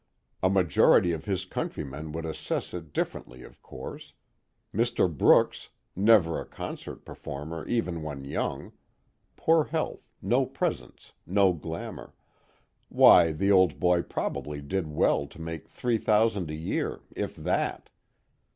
A majority of his countrymen would assess it differently of course: Mr. Brooks, never a concert performer even when young poor health, no presence, no glamor why, the old boy probably did well to make three thousand a year, if that.